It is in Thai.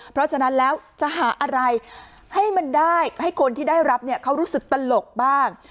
เพราะฉะนั้นแล้วจะหาอะไรให้มันได้ให้คนที่ได้รับเนี่ยเขารู้สึกตลกบ้าง